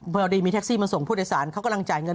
พอดีมีแท็กซี่มาส่งผู้โดยสารเขากำลังจ่ายเงิน